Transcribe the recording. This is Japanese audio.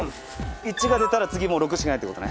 １が出たら次もう６しかないってことね。